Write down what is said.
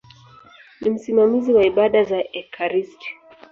Ni msimamizi wa ibada za ekaristi.